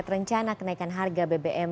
terencana kenaikan harga bbm